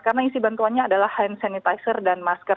karena isi bantuannya adalah hand sanitizer dan masker